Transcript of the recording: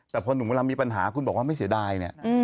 แต่พอหนุ่มเวลามีปัญหาคุณบอกว่าไม่เสียดายเนี่ย